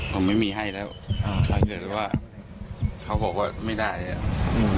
ผมไม่มีให้แล้วอ่าถ้าเกิดว่าเขาบอกว่าไม่ได้แล้วอืม